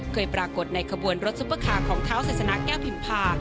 เคยปรากฏในขบวนรถซุปเปอร์คาร์ของเท้าศาสนาแก้วพิมพา